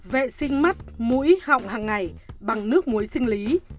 vệ sinh mắt mũi họng hàng ngày bằng nước muối sinh lý